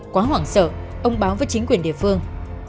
quá hoảng sợ ông báo với chính quyền địa phương